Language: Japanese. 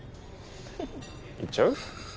行っちゃう？